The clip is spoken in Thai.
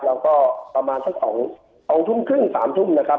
แล้วก็ประมาณสัก๒ทุ่มครึ่ง๓ทุ่มนะครับ